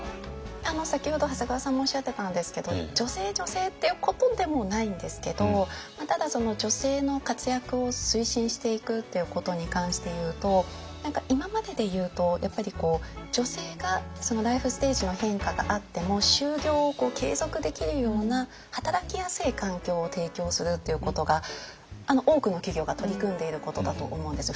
先ほど長谷川さんもおっしゃってたんですけど女性女性っていうことでもないんですけどただその女性の活躍を推進していくということに関して言うと何か今までで言うと女性がライフステージの変化があっても就業を継続できるような働きやすい環境を提供するっていうことが多くの企業が取り組んでいることだと思うんです。